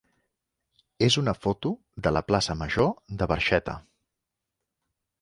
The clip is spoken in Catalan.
és una foto de la plaça major de Barxeta.